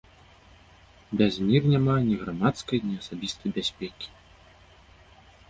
Без мір няма ні грамадскай, ні асабістай бяспекі.